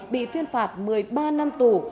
bị tuyên phạt một mươi ba năm tù